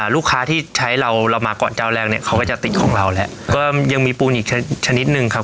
ลูกค้าที่ใช้เราเรามาก่อนเจ้าแรกเนี่ยเขาก็จะติดของเราแล้วก็ยังมีปูนอีกชนิดหนึ่งครับ